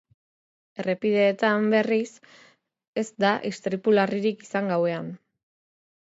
Errepideetan, berriz, ez da istripu larririk izan gauean.